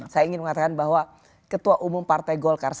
saya ingin mengatakan bahwa ketua umum partai golkar